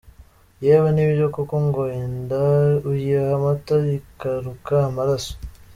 Yewe, nibyo koko ngo “inda uyiha amata ikaruka amaraso”!